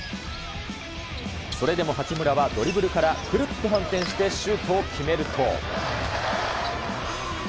それでも八村はドリブルからくるっと反転してシュートを決めると。